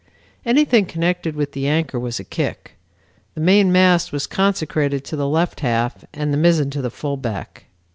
Anything connected with the anchor was a kick. The mainmast was consecrated to the left half, and the mizzen to the fullback.